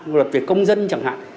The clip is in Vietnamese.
luật việc công dân chẳng hạn